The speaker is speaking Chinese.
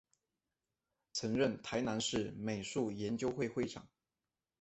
曾任台南市美术研究会会长。